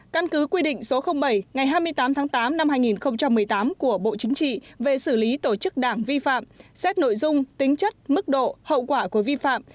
căn cứ quy định số bảy ngày hai mươi tám tháng tám năm hai nghìn một mươi tám của bộ chính trị về xử lý tổ chức đảng vi phạm xét nội dung tính chất mức độ hậu quả của vi phạm